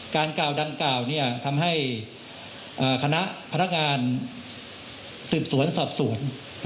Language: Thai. กล่าวดังกล่าวทำให้คณะพนักงานสืบสวนสอบสวน